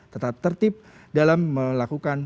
tetap tertib dalam melakukan